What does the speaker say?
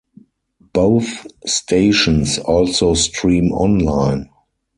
Both stations also stream online.